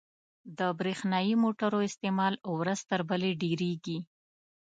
• د برېښنايي موټرو استعمال ورځ تر بلې ډېرېږي.